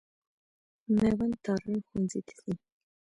مېوند تارڼ ښوونځي ته ځي.